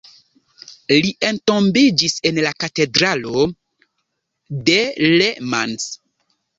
Li entombiĝis en la katedralo de Le Mans.